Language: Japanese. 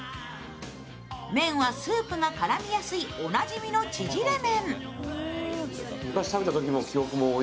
麺はスープが絡みやすいおなじみのちぢれ麺。